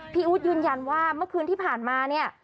อู๊ดยืนยันว่าเมื่อคืนที่ผ่านมาเนี่ย